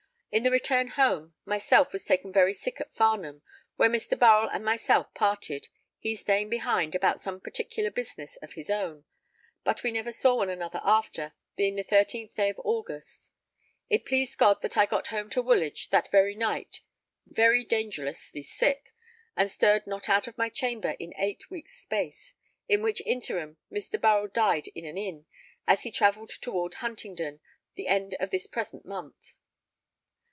In our return home, myself was taken very sick at Farnham, where Mr. Burrell and myself parted, he staying behind about some particular business of his own, but we never saw one another after, being the 13th day of August. It pleased God that I got home to Woolwich that very night very dangerously sick, and stirred not out of my chamber in eight weeks space, in which interim Mr. Burrell died in an inn, as he travelled toward Huntingdon, the end of this present month.